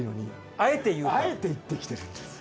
あえて言ってきてるんです。